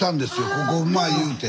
ここうまい言うて。